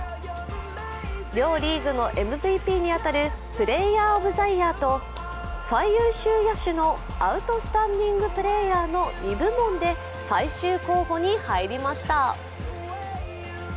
両リーグのＭＶＰに当たるプレーヤーズ・オブ・ザ・イヤーと最優秀野手のアウトスタンディング・プレーヤーの２部門で最終候補に入りました。